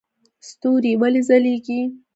ستوري ولې ځلیږي؟